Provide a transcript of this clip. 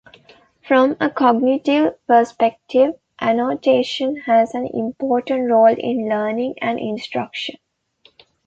From a cognitive perspective annotation has an important role in learning and instruction.